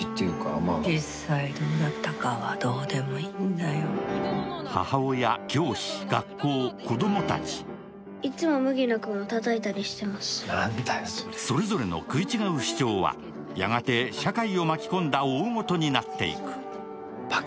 しかし母親・教師・学校・子供たちそれぞれの食い違う主張はやがて社会を巻き込んだ大ごとになっていく。